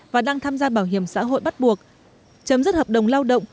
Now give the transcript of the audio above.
và đang tham gia bảo hiểm xã hội bắt buộc chấm dứt hợp đồng lao động